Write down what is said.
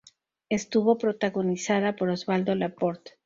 Estuvo protagonizada por Osvaldo Laport.